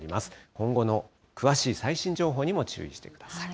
今後の詳しい最新情報にも注意してください。